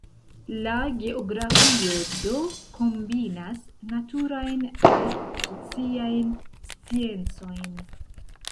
La geografio do kombinas naturajn kaj sociajn sciencojn.